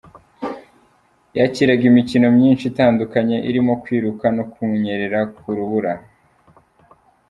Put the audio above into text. Yakiraga imikino myinshi itandukanye irimo kwiruka no kunyerera ku rubura.